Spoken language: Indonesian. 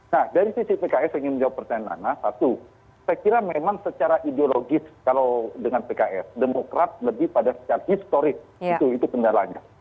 nah dari sisi pks ingin menjawab pertanyaan nana satu saya kira memang secara ideologis kalau dengan pks demokrat lebih pada secara historis itu kendalanya